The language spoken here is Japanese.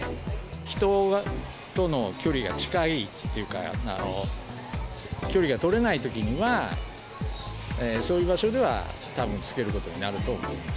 人との距離が近いというか、距離が取れないときには、そういう場所ではたぶん、着けることになると思います。